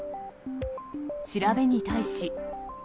調べに対し。